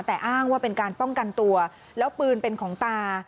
แต่อ้างว่าเป็นการป้องกันตัวแล้วปืนเป็นของตา